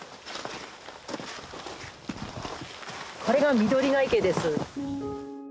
これが翠ヶ池です。